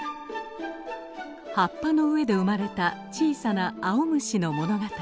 はっぱの上で生まれた小さなあおむしの物語。